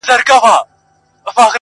• زموږ بچي په سل په زر روپۍ خرڅیږي -